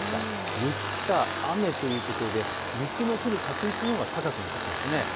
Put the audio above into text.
雪か雨かということで雪の降る確率のほうが高くなってきたんです。